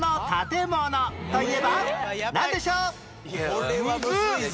これはむずいぞ。